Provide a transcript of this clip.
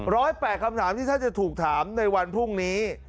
แปดคำถามที่ท่านจะถูกถามในวันพรุ่งนี้